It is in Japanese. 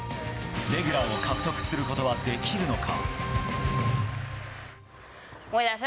レギュラーを獲得することはできるのか？